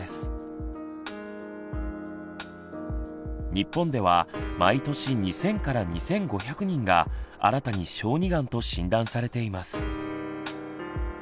日本では毎年２，０００２，５００人が新たに小児がんと診断されています。